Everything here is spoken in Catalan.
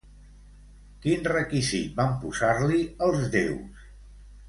Quin requisit van posar-li els déus?